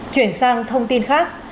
chuyển sang thông tin khác